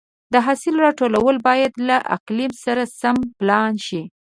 د حاصل راټولول باید له اقلیم سره سم پلان شي.